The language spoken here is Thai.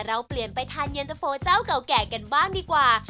เราเปลี่ยนไปทานเย็นตะโฟเจ้าเก่าแก่กันบ้างดีกว่า